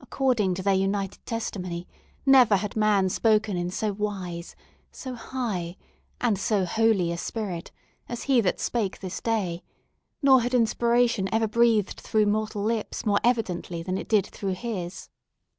According to their united testimony, never had man spoken in so wise, so high, and so holy a spirit, as he that spake this day; nor had inspiration ever breathed through mortal lips more evidently than it did through his.